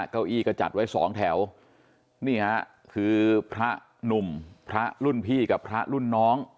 เก้าอี้ก็จัดไว้สองแถวนี่ฮะคือพระหนุ่มพระรุ่นพี่กับพระรุ่นน้อง